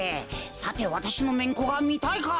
さてわたしのめんこがみたいか？